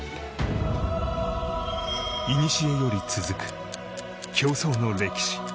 いにしえより続く競争の歴史。